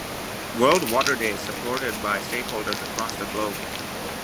World Water Day is supported by stakeholders across the globe.